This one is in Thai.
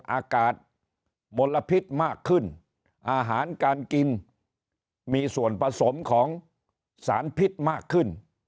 อากาศมลพิษมากขึ้นอาหารการกินมีส่วนผสมของสารพิษมากขึ้น